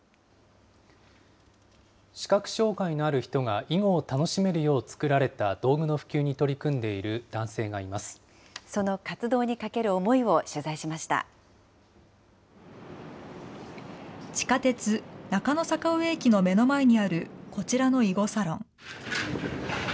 視覚障害のある人が囲碁を楽しめるよう作られた道具の普及にその活動にかける思いを取材地下鉄中野坂上駅の目の前にあるこちらの囲碁サロン。